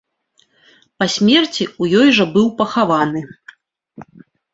Па смерці ў ёй жа быў пахаваны.